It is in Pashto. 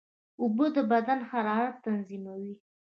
اوبه د بدن حرارت تنظیموي.